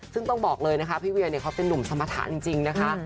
ซึ่งต้องบอกเลยนะคะพี่เวียเขาเป็นนุ่มสมรรถะจริงนะคะ